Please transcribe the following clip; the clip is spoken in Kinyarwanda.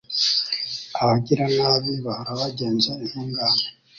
Abagiranabi bahora bagenza intungane